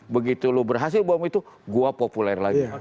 begitu lo berhasil bom itu gue populer lagi